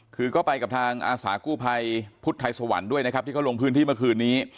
คือก็ไปกับทางอาสากู้ภัยพุทธไทยสวรรค์ด้วยนะครับที่เขาลงพื้นที่เมื่อคืนนี้